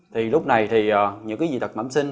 thì lúc này thì những cái dị tật mẩm sinh